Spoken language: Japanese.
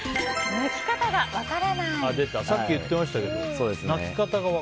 泣き方が分からない。